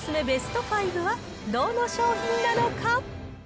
ベスト５は、どの商品なのか。